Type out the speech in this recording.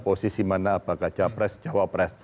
posisi mana apakah capres jawa pres